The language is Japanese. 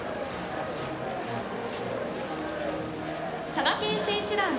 佐賀県選手団。